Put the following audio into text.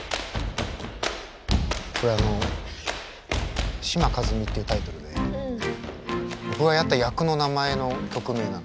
これあの「志摩一未」っていうタイトルで僕がやった役の名前の曲名なの。